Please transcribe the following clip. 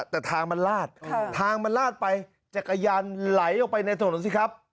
แต่ทางมันลาดทางมันลาดไปจักรยานไหลออกไปในถนนสิครับ